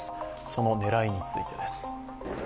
その狙いについてです。